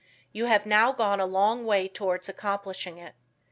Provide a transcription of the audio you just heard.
You have now gone a long way towards accomplishing it.